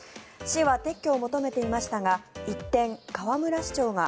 市は撤去を求めていましたが一転、河村市長が